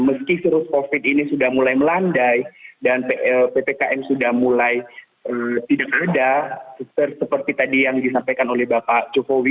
meski virus covid ini sudah mulai melandai dan ppkm sudah mulai tidak ada seperti tadi yang disampaikan oleh bapak jokowi